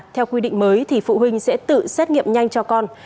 theo quy định mới thì phụ huynh sẽ tự xét nghiệm nhanh cho con